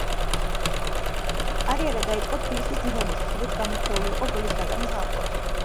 კარიერა დაიწყო თბილისის „დინამოში“, სადაც გამორჩეული იყო გოლის გატანის ალღოთი.